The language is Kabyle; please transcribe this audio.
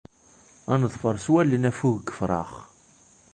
Ad neḍfer s wallen affug n yifrax.